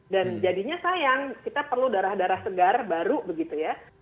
dan jadinya sayang kita perlu darah darah segar baru begitu ya